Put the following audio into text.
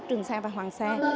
trường xa của việt nam